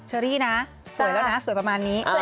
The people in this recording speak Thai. อรี่นะสวยแล้วนะสวยประมาณนี้